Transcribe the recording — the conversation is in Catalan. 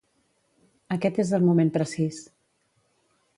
Aquest és el moment precís.